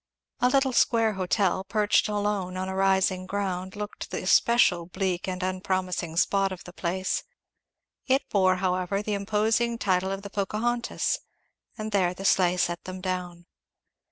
A little square hotel, perched alone on a rising ground, looked the especial bleak and unpromising spot of the place. It bore however the imposing title of the Pocahontas; and there the sleigh set them down.